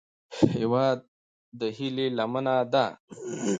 هیواد د هیلې لمنه ده